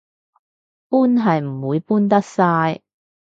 搬係唔會搬得晒